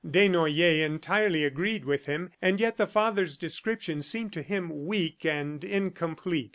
Desnoyers entirely agreed with him, and yet the father's description seemed to him weak and incomplete.